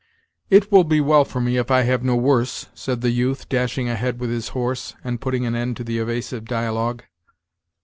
"It will be well for me if I have no worse," said the youth, dashing ahead with his horse, and putting an end to the evasive dialogue.